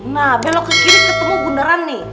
nah belok ke kiri ketemu bundaran nih